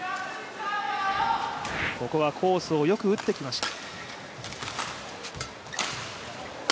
ここはコースをよく打ってきました。